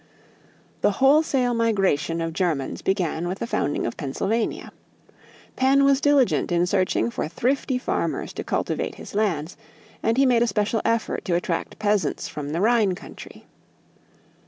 The wholesale migration of Germans began with the founding of Pennsylvania. Penn was diligent in searching for thrifty farmers to cultivate his lands and he made a special effort to attract peasants from the Rhine country.